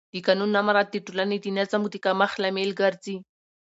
د قانون نه مراعت د ټولنې د نظم د کمښت لامل ګرځي